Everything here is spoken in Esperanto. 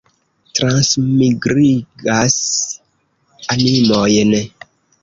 Transmigrigas animojn.